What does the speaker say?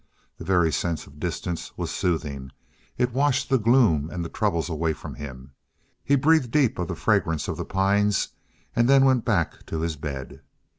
The very sense of distance was soothing; it washed the gloom and the troubles away from him. He breathed deep of the fragrance of the pines and then went back to his bed.